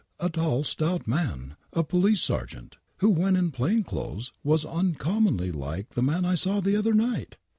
" A tall, stout man, a police sergeant, who, when in plain clothes, was uncommonly like the man I saw the other night."